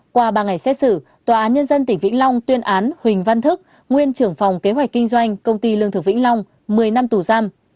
qua ba ngày xét xử tòa án nhân dân tỉnh vĩnh long tuyên án huỳnh văn thức nguyên trưởng phòng kế hoạch kinh doanh công ty lương thực vĩnh long một mươi năm tù giam